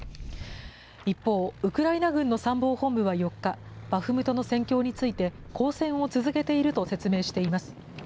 一方、ウクライナ軍の参謀本部は４日、バフムトの戦況について、抗戦を続けていると説明しています。